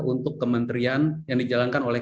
untuk kementerian yang dijalankan oleh